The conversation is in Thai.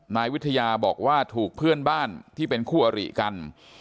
นายวิทยาบอกว่าถูกเพื่อนบ้านที่เป็นคู่อริกัน